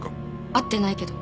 会ってないけど。